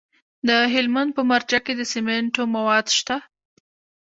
د هلمند په مارجه کې د سمنټو مواد شته.